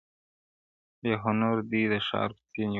بې هنرو دي د ښار کوڅې نیولي -